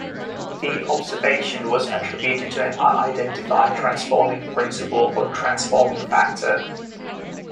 The observation was attributed to an unidentified "transforming principle" or "transforming factor".